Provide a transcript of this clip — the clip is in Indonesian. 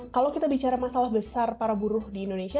kalau kita bicara masalah besar para buruh di indonesia